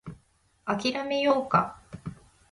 諦めようか